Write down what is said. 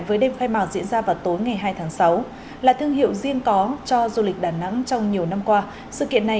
với đêm khai màu diễn ra vào tối